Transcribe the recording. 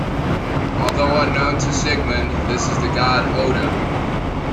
Although unknown to Sigmund, this is the God Odin.